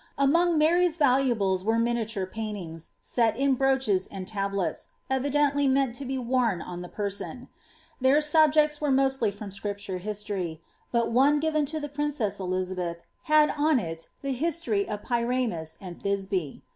Among Mary' talu abies were miniature pahitings, set in bnnichea and tablets, evideodv meant to be worn on the person ; their subjects were mostly from Scrip ture histor}% but one given to the princess Elizabeth had on it the his tory of Pyramus and Thisbe.